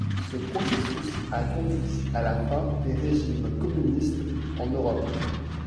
Ce processus a conduit à la fin des régimes communistes en Europe.